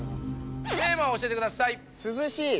テーマを教えてください。